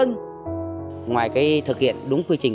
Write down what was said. ngoài thực hiện đúng quy trình